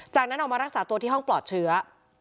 จากนั้นออกมารักษาตัวที่ห้องปลอดเชื้อ